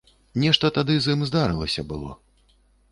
Нешта тады з ім здарылася было.